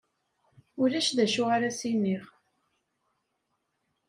Ulac d acu ara as-iniɣ.